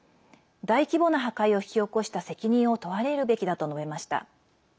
大規模な破壊を引き起こした責任を問われるべきだと述べました。